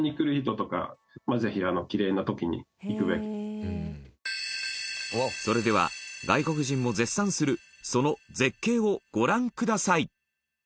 それはそれでは、外国人も絶賛するその絶景をご覧ください